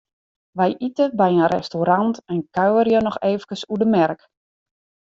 Wy ite by in restaurant en kuierje noch efkes oer de merk.